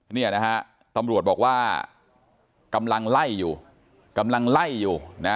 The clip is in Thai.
นี่นะฮะตำรวจบอกว่ากำลังไล่อยู่